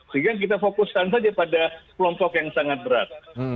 sehingga kita fokuskan saja pada kelompok yang sangat berat